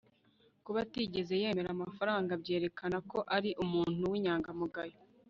kuba atigeze yemera amafaranga byerekana ko ari umuntu w'inyangamugayo